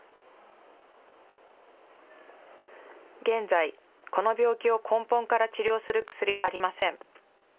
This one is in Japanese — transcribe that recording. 現在、この病気を根本から治療する薬はありません。